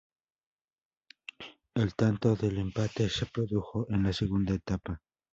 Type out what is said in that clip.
El tanto del empate se produjo en la segunda etapa.